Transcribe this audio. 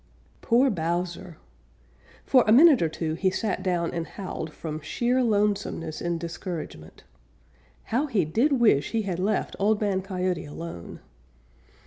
Poor Bowser! For a minute or two he sat down and howled from sheer lonesomeness and discouragement. How he did wish he had left Old Man Coyote alone!